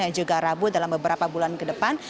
dan juga rabu dalam beberapa bulan